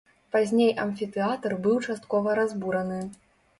Пазней амфітэатр быў часткова разбураны.